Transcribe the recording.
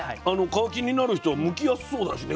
皮気になる人はむきやすそうだしね皮もね。